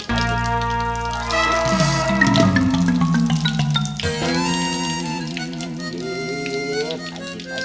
kayaknya blir kofisi